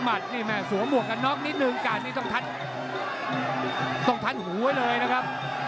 แลงเวอร์นี้มันนั้ยก่อน